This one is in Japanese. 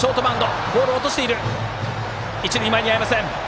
一塁は間に合いません。